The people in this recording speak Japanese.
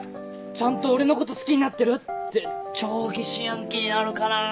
ちゃんと俺のこと好きになってる？って超疑心暗鬼になるかな。